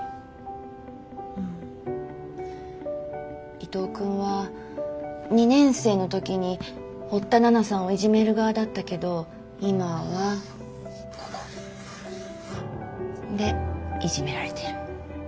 伊藤君は２年生の時に堀田奈々さんをいじめる側だったけど今はここ。んでいじめられてる。